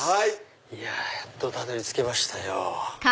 いややっとたどり着けましたよ。